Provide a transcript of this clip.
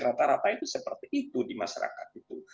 rata rata itu seperti itu di masyarakat itu